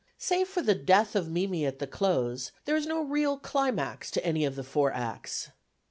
Save for the death of Mimi at the close, there is no real climax to any of the four acts.